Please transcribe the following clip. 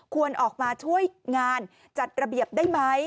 ควรออกมาช่วยงานจัดระเบียบได้ไหม